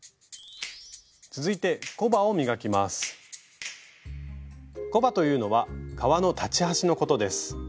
続いてコバというのは革の裁ち端のことです。